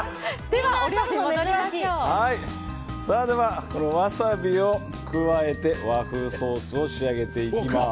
では、ワサビを加えて和風ソースを仕上げていきます。